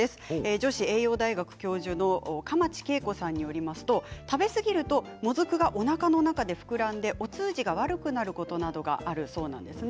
女子栄養大学教授の蒲池桂子さんによりますと食べ過ぎるともずくがおなかの中で膨らんでお通じが悪くなることなどがあるそうなんですね。